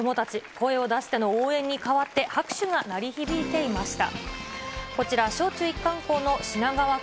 声を出しての応援に変わって拍手が鳴り響いていました。